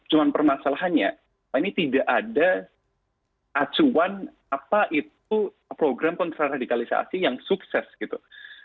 cuma permasalahannya ini tidak ada acuan apa itu program kontraradikalisasi yang sukses gitu